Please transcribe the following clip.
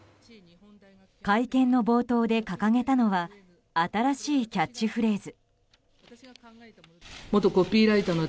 会見の冒頭で掲げたのは新しいキャッチフレーズ。